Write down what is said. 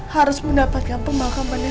harus mendapatkan pemakamannya